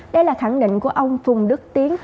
đây là khẳng định của ông phùng đức tiến